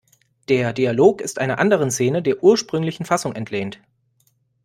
Der Dialog ist einer anderen Szene der ursprünglichen Fassung entlehnt.